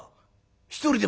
お一人で？